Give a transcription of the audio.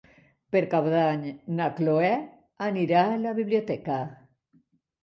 Per Cap d'Any na Cloè anirà a la biblioteca.